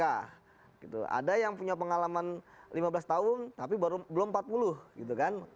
ada yang punya pengalaman lima belas tahun tapi belum empat puluh gitu kan